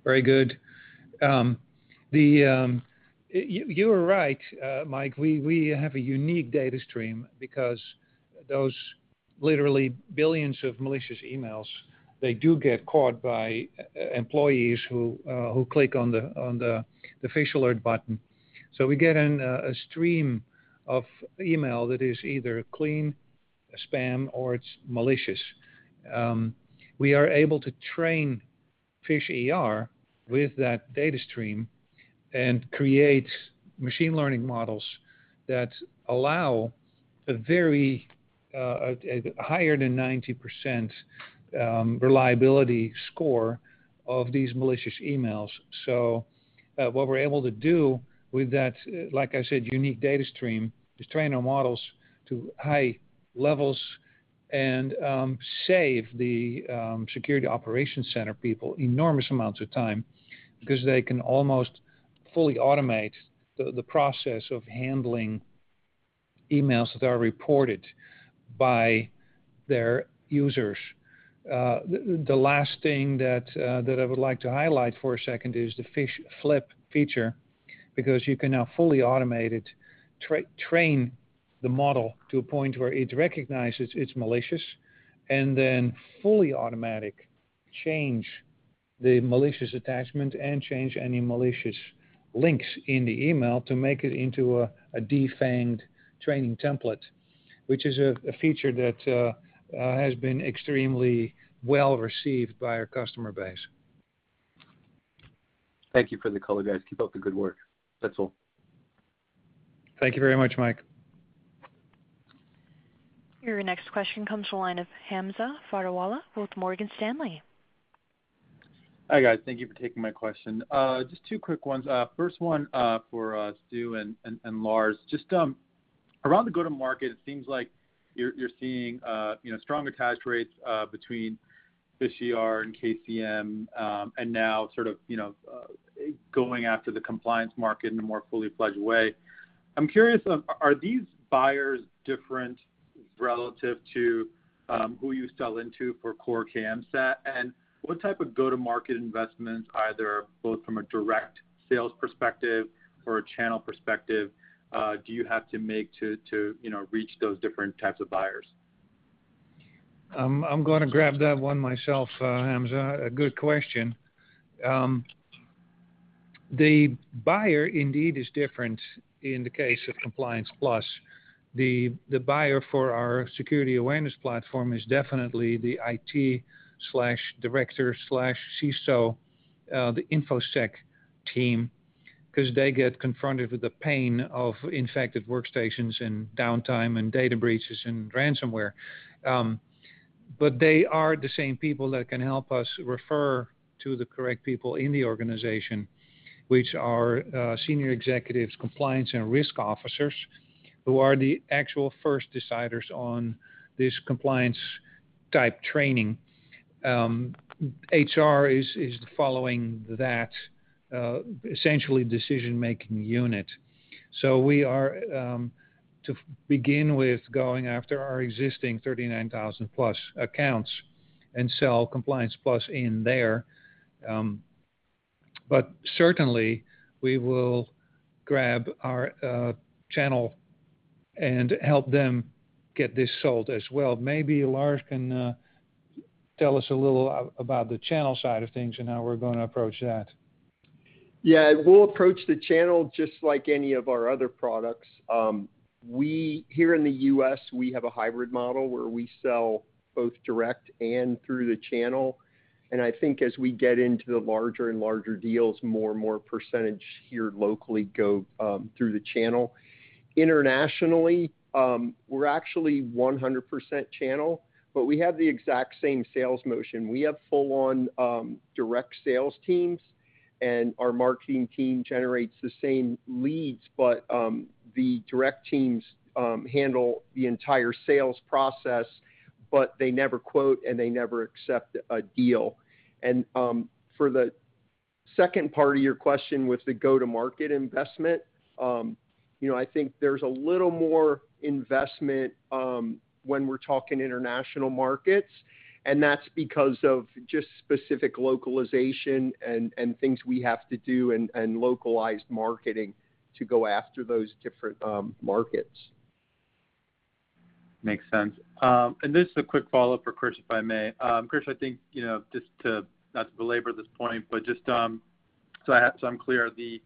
Very good. You were right, Mike, we have a unique data stream because those literally billions of malicious emails, they do get caught by employees who click on the Phish Alert Button. We get in a stream of email that is either clean, spam, or it's malicious. We are able to train PhishER with that data stream and create machine learning models that allow a very higher than 90% reliability score of these malicious emails. What we're able to do with that, like I said, unique data stream, is train our models to high levels and save the security operations center people enormous amounts of time because they can almost fully automate the process of handling emails that are reported by their users. The last thing that I would like to highlight for a second is the PhishFlip feature, because you can now fully automate it, train the model to a point where it recognizes it's malicious, and then fully automatic change the malicious attachment and change any malicious links in the email to make it into a defanged training template, which is a feature that has been extremely well-received by our customer base. Thank you for the color, guys. Keep up the good work. That's all. Thank you very much, Mike. Your next question comes from the line of Hamza Fodderwala with Morgan Stanley. Hi, guys. Thank you for taking my question. Just two quick ones. First one for Stu and Lars. Just around the go-to-market, it seems like you're seeing stronger attach rates between PhishER and KCM, and now sort of going after the compliance market in a more fully fledged way. I'm curious, are these buyers different relative to who you sell into for core KMSAT? What type of go-to-market investments, either both from a direct sales perspective or a channel perspective, do you have to make to reach those different types of buyers? I'm going to grab that one myself, Hamza. A good question. The buyer indeed is different in the case of Compliance Plus. The buyer for our security awareness platform is definitely the IT/director/CSO, the InfoSec team, because they get confronted with the pain of infected workstations and downtime and data breaches and ransomware. They are the same people that can help us refer to the correct people in the organization, which are senior executives, compliance and risk officers, who are the actual first deciders on this compliance type training. HR is following that essentially decision-making unit. We are, to begin with, going after our existing 39,000+ accounts and sell Compliance Plus in there. Certainly, we will grab our channel and help them get this sold as well. Maybe Lars can tell us a little about the channel side of things and how we're going to approach that. Yeah, we'll approach the channel just like any of our other products. Here in the U.S., we have a hybrid model where we sell both direct and through the channel. I think as we get into the larger and larger deals, more and more percentage here locally go through the channel. Internationally, we're actually 100% channel, but we have the exact same sales motion. We have full-on direct sales teams, and our marketing team generates the same leads, but the direct teams handle the entire sales process, but they never quote and they never accept a deal. For the second part of your question with the go-to-market investment, I think there's a little more investment when we're talking international markets, and that's because of just specific localization and things we have to do and localized marketing to go after those different markets. Makes sense. Just a quick follow-up for Krish, if I may. Krish, I think, not to belabor this point, but just so I have some clarity,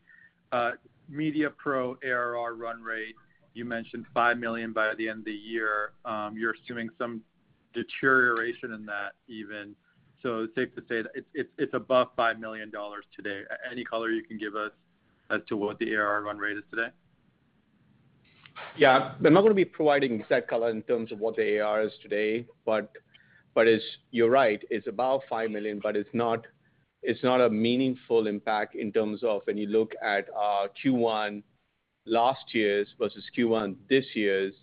the MediaPRO ARR run rate, you mentioned $5 million by the end of the year. You're assuming some deterioration in that even. Safe to say that it's above $5 million today. Any color you can give us as to what the ARR run rate is today? Yeah. I am not going to be providing exact color in terms of what the ARR is today, but you are right, it is above $5 million, but it is not a meaningful impact in terms of when you look at Q1 last year's versus Q1 this year's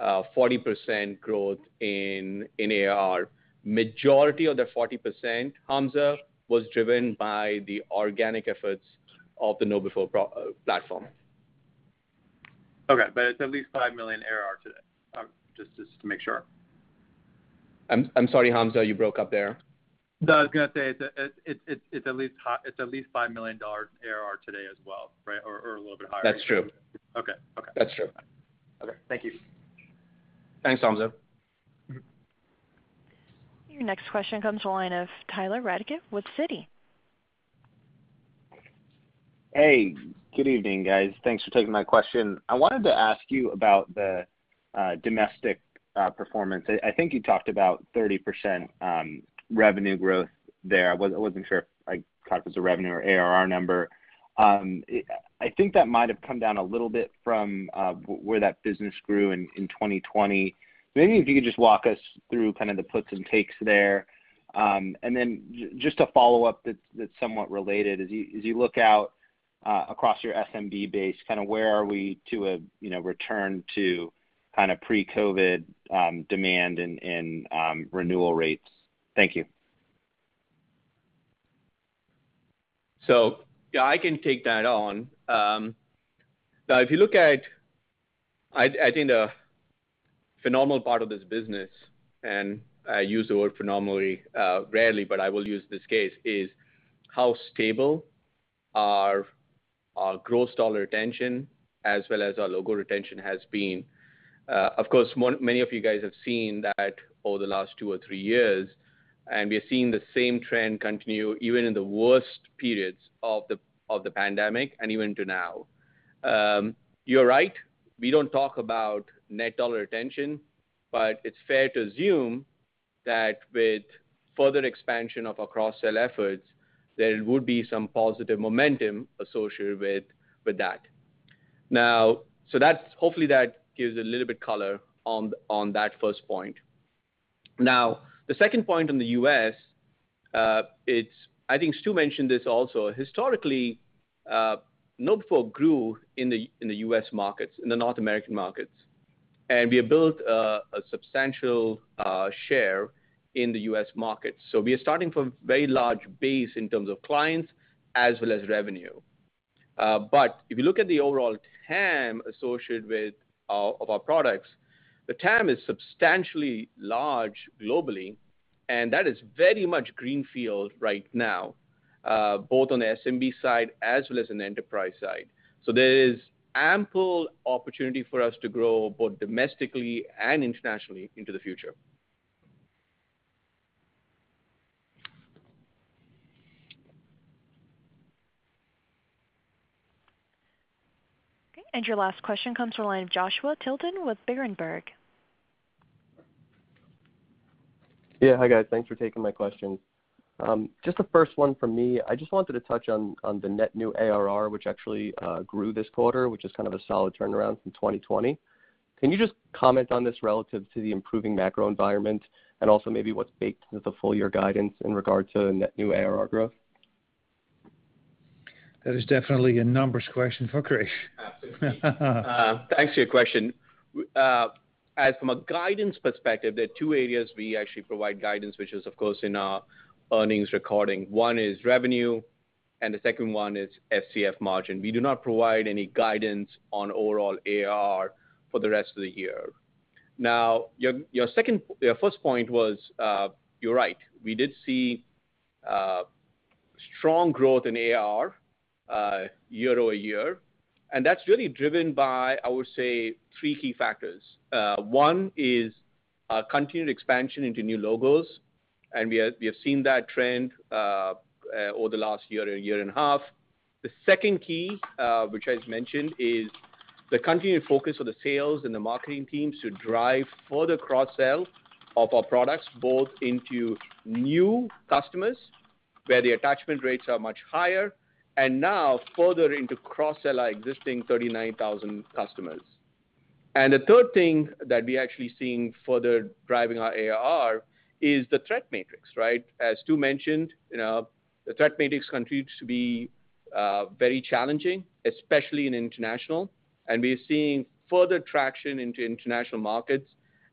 40% growth in ARR. Majority of the 40%, Hamza, was driven by the organic efforts of the KnowBe4 platform. Okay. It's at least $5 million ARR today, just to make sure. I'm sorry, Hamza, you broke up there. No, I was going to say it's at least $5 million ARR today as well, right, or a little bit higher? That's true. Okay. That's true. Okay. Thank you. Thanks, Hamza. Your next question comes from the line of Tyler Radke with Citi. Hey, good evening, guys. Thanks for taking my question. I wanted to ask you about the domestic performance. I think you talked about 30% revenue growth there. I wasn't sure if that was a revenue or ARR number. I think that might have come down a little bit from where that business grew in 2020. Maybe if you could just walk us through kind of the puts and takes there. Just a follow-up that's somewhat related. As you look out across your SMB base, where are we to a return to pre-COVID demand and renewal rates? Thank you. Yeah, I can take that on. If you look at, I think the phenomenal part of this business, and I use the word phenomenally rarely, but I will use it in this case, is how stable our gross dollar retention as well as our logo retention has been. Of course, many of you guys have seen that over the last two or three years, and we're seeing the same trend continue even in the worst periods of the pandemic and even to now. You're right, we don't talk about net dollar retention, but it's fair to assume that with further expansion of our cross-sell efforts, there would be some positive momentum associated with that. Hopefully that gives a little bit color on that first point. The second point in the U.S., I think Stu mentioned this also. Historically, KnowBe4 grew in the U.S. markets, in the North American markets. We have built a substantial share in the U.S. market. We are starting from a very large base in terms of clients as well as revenue. If you look at the overall TAM associated with our products, the TAM is substantially large globally, and that is very much greenfield right now, both on the SMB side as well as an enterprise side. There is ample opportunity for us to grow both domestically and internationally into the future. Your last question comes from the line of Joshua Tilton with Berenberg. Yeah. Hi, guys. Thanks for taking my question. Just the first one from me, I just wanted to touch on the net new ARR, which actually grew this quarter, which is kind of a solid turnaround from 2020. Can you just comment on this relative to the improving macro environment and also maybe what bakes into the full year guidance in regard to the net new ARR growth? That is definitely a numbers question for Krish. Thanks for your question. From a guidance perspective, there are two areas we actually provide guidance, which is, of course, in our earnings recording. One is revenue and the second one is FCF margin. We do not provide any guidance on overall ARR for the rest of the year. Your first point was, you're right. We did see strong growth in ARR year-over-year, and that's really driven by, I would say, three key factors. One is continued expansion into new logos. We have seen that trend over the last year and a half. The second key, which I just mentioned, is the continued focus on the sales and the marketing teams to drive further cross-sell of our products, both into new customers, where the attachment rates are much higher, and now further into cross-sell our existing 39,000 customers. The third thing that we're actually seeing further driving our ARR is the threat matrix, right? As Stu mentioned, the threat matrix continues to be very challenging, especially in international. We're seeing further traction into international markets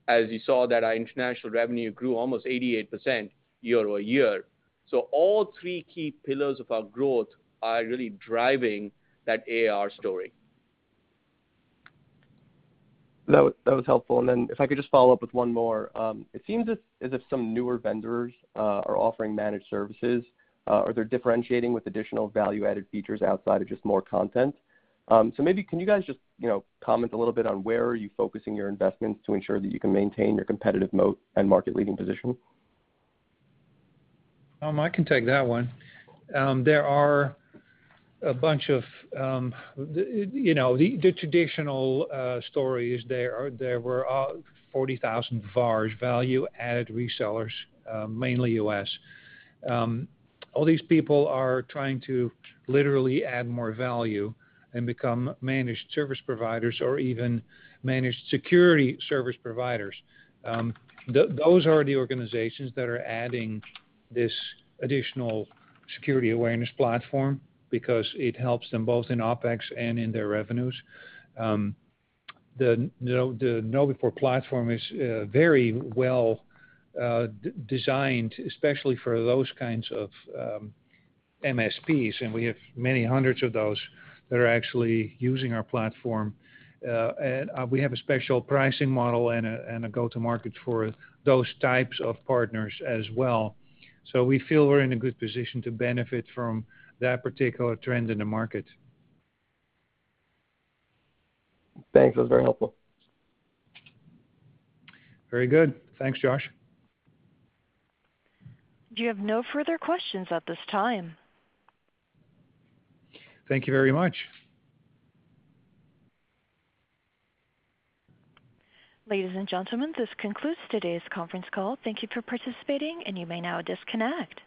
as you saw that our international revenue grew almost 88% year-over-year. All three key pillars of our growth are really driving that ARR story. That was helpful. If I could just follow up with one more. It seems as if some newer vendors are offering managed services or they're differentiating with additional value-added features outside of just more content. Maybe, can you guys just comment a little bit on where are you focusing your investments to ensure that you can maintain your competitive moat and market-leading position? I can take that one. There are a bunch of the traditional stories. There were 40,000 VARs, value-added resellers, mainly U.S. All these people are trying to literally add more value and become managed service providers or even managed security service providers. Those are the organizations that are adding this additional security awareness platform because it helps them both in OpEx and in their revenues. The KnowBe4 platform is very well designed, especially for those kinds of MSPs, and we have many hundreds of those that are actually using our platform. We have a special pricing model and a go-to-market for those types of partners as well. We feel we're in a good position to benefit from that particular trend in the market. Thanks. That was very helpful. Very good. Thanks, Josh. You have no further questions at this time. Thank you very much. Ladies and gentlemen, this concludes today's conference call. Thank you for participating, and you may now disconnect.